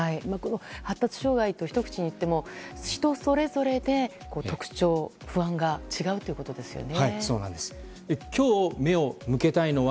発達障害とひと口に言っても人それぞれで特徴、不安が違うということですよね。